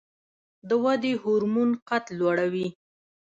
د ودې هورمون قد لوړوي